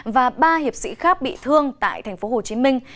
và ba hiệp sĩ khác bị thương tại tp hcm